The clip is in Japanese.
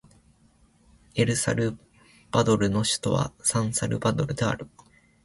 エルサルバドルの首都はサンサルバドルである